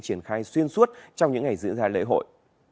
triển khai xuyên suốt trong những ngày diễn ra lễ hội